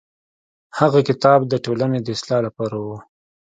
هغه کتاب د ټولنې د اصلاح لپاره و.